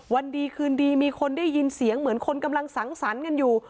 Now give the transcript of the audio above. วันดีคืนดีมีคนได้ยินเสียงเหมือนคนกำลังสังสรรค์กันอยู่